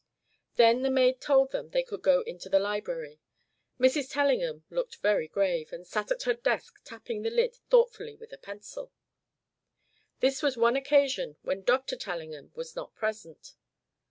Then the maid told them they could go into the library. Mrs. Tellingham looked very grave, and sat at her desk tapping the lid thoughtfully with a pencil. This was one occasion when Dr. Tellingham was not present.